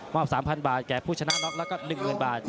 มอบ๓๐๐๐บาทแก่ผู้ชนะน็อคแล้วก็หนึ่งเงินบาท